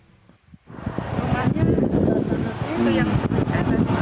orangnya sudah ketemu ayah